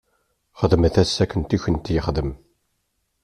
Xdmemt-as akken i kent-texdem.